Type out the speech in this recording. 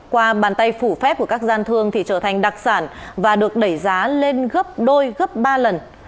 qua bàn tay phủ phép của các gian thương thì trở thành đặc sản và được đẩy giá lên gấp đôi gấp ba lần